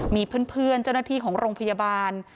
มีเพื่อนเจ้าหน้าที่ของโรงพยาบาล